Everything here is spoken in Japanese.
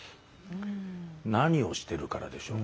何をしてるからでしょう？